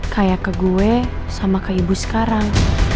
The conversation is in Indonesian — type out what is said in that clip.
kayak ke gue sama ke ibu sekarang